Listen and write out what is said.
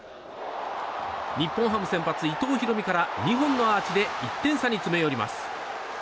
日本ハム先発、伊藤大海から２本のアーチで１点差に詰め寄ります。